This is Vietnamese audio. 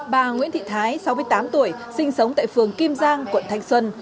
bà nguyễn thị thái sáu mươi tám tuổi sinh sống tại phường kim giang quận thanh xuân